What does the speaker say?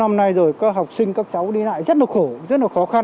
năm nay rồi các học sinh các cháu đi lại rất là khổ rất là khó khăn